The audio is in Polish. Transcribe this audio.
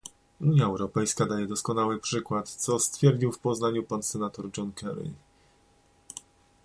Unia Europejska daje doskonały przykład, co stwierdził w Poznaniu pan senator John Kerry